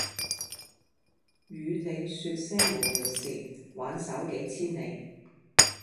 與你說些無聊事挽手幾千里